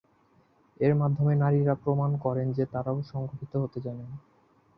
এর মাধ্যমে নারীরা প্রমাণ করেন যে তাঁরাও সংগঠিত হতে জানেন।